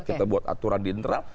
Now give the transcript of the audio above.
kita buat aturan di internal